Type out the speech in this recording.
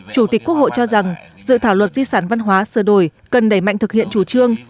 chủ tịch quốc hội cho rằng dự thảo luật di sản văn hóa sửa đổi cần đẩy mạnh thực hiện chủ trương